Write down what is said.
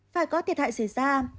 phải có thiệt hại xảy ra